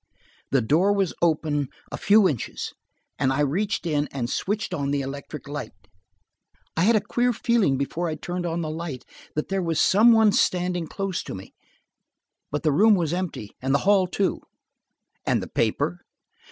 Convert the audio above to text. The door was open a few inches and I reached in and switched on the electric lights. I had a queer feeling before I turned on the light that there was some one standing close to me, but the room was empty, and the hall, too." "And the paper?"